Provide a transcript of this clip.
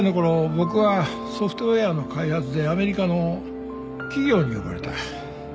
僕はソフトウエアの開発でアメリカの企業に呼ばれた。